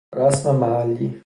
رسم محلی